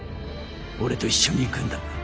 俺と一緒に行くんだ。